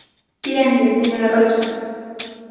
Silencio, señora Roxas.